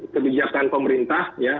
kebijakan pemerintah ya